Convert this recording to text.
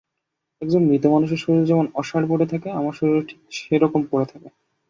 একজন মৃত মানুষের শরীর যেমন অসাড় পড়ে থাকে, আমার শরীরও সে-রকম পড়ে থাকে।